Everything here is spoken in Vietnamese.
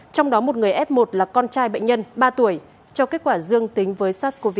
trong đó một người f một là con trai bệnh nhân ba tuổi cho kết quả dương tính với sars cov hai